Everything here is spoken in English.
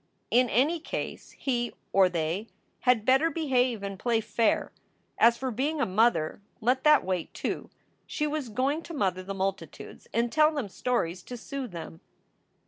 In any case he (or they) had better behave and play fair! As for being a mother, let that wait, too. She was going to mother the multitudes and tell them stories to soothe them.